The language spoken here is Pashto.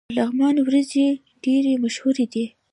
د لغمان وریجې ډیرې مشهورې دي.